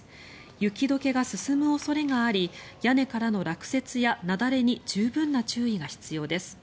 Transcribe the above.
雪解けが進む恐れがあり屋根からの落雪や雪崩に十分な注意が必要です。